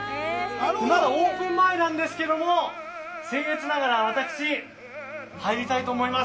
まだオープン前なんですけれどもせんえつながら、私入りたいと思います。